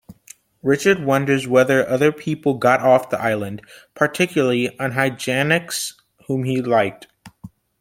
Richard wonders whether other people got off the island, particularly Unhygienix, whom he liked.